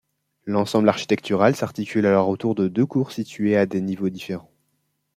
L’ensemble architectural s’articule alors autour de deux cours situées à des niveaux différents.